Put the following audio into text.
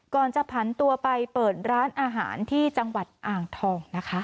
ก่อนจะผันตัวไปเปิดร้านอาหารที่จังหวัดอ่างทองนะคะ